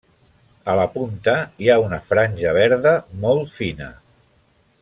A la punta hi ha una franja verda molt fina.